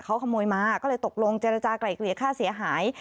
เขาขโมยมาก็เลยตกลงเจรจากลายเกลี่ยค่าเสียหาย